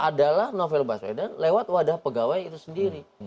adalah novel baswedan lewat wadah pegawai itu sendiri